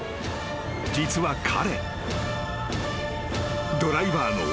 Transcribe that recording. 実は彼］